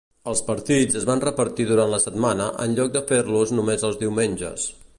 Els partits es van repartir durant la setmana en lloc de fer-los només els diumenges.